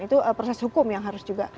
itu proses hukum yang harus juga